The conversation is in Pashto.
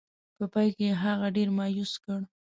په پای کې یې هغه ډېر مایوس کړ.